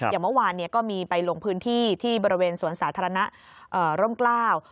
อย่างเมื่อวานก็มีไปลงพื้นที่ที่บริเวณสวนสาธารณะร่มกล้าว